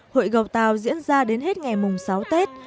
hội go tàu diễn ra đến hết ngày mùng sáu tết